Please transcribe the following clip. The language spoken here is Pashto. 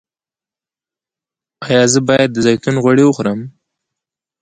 ایا زه باید د زیتون غوړي وخورم؟